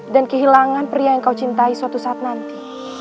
dan kehilangan pria yang kau cintai suatu saat nanti